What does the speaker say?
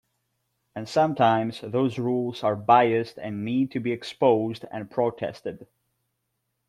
And sometimes those rules are biased and need to be exposed and protested.